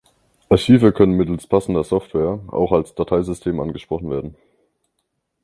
Archive können mittels passender Software auch als Dateisystem angesprochen werden.